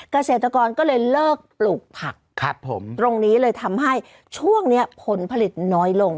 เกษตรกรก็เลยเลิกปลูกผักครับผมตรงนี้เลยทำให้ช่วงนี้ผลผลิตน้อยลง